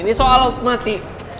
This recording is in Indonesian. ini soal laut mati